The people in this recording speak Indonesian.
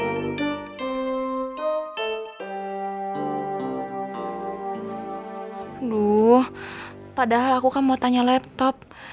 aduh padahal aku kan mau tanya laptop